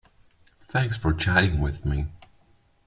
Thanks for chatting with me.